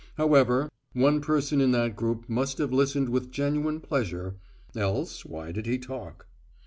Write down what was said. However, one person in that group must have listened with genuine pleasure else why did he talk?